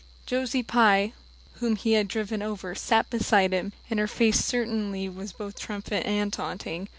Josie Pye, whom he had driven over, sat beside him, and her face certainly was both triumphant and taunting.